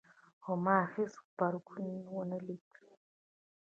خو ما هیڅ غبرګون ونه لید